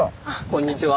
こんにちは。